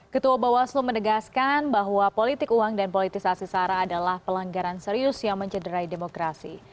ketua bawaslu menegaskan bahwa politik uang dan politisasi sara adalah pelanggaran serius yang mencederai demokrasi